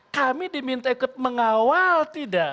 kami diminta ikut mengawal tidak